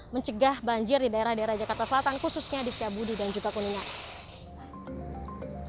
mencegah banjir di daerah daerah jakarta selatan khususnya di setiabudi dan juga kuningan